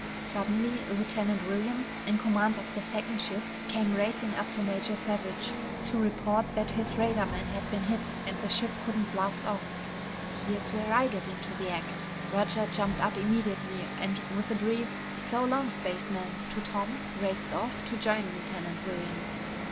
Suddenly, Lieutenant Williams, in command of the second ship, came racing up to Major Savage, to report that his radarman had been hit and the ship couldn't blast off. "Here's where I get into the act!" Roger jumped up immediately, and with a brief "So long, spaceman" to Tom, raced off to join Lieutenant Williams.